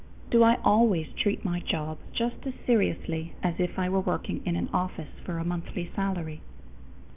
Do I always treat my job just as seriously as if I were working in an office for a monthly salary?